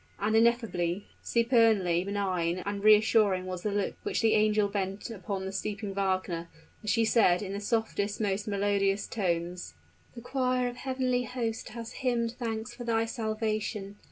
And ineffably supernally benign and reassuring was the look which the angel bent upon the sleeping Wagner, as she said in the softest, most melodious tones, "The choir of the heavenly host has hymned thanks for thy salvation!